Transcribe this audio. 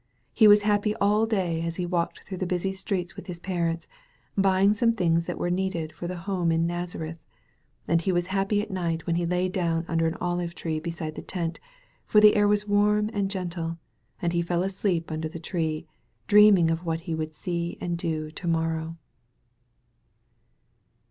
He was happy all day as he walked through the busy streets with his parents, buying some things that were needed for the home in Nazareth; and he was happy at night when he lay down under an olive tree beside the tent, for the air was warm and gentle, and he fell asleep under the tree, dreaming of what he would see and do to morrow.